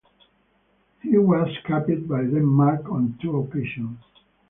He was capped by Denmark on two occasions.